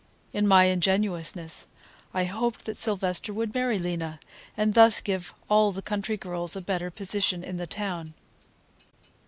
In my ingenuousness I hoped that Sylvester would marry Lena, and thus give all the country girls a better position in the town.